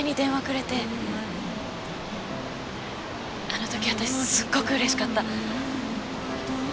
あの時私すごくうれしかった。